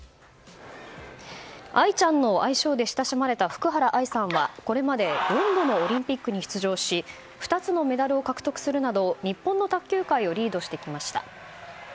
愛ちゃんの愛称で親しまれた福原愛さんはこれまで何度もオリンピックに出場し２つのメダルを獲得するなど日本の卓球界をリードしてきました。